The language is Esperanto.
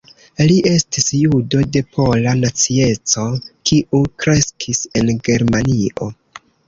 Li estis judo de pola nacieco kiu kreskis en Germanio.